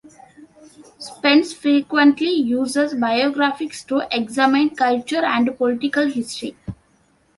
Spence frequently uses biographies to examine cultural and political history.